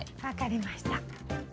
分かりました。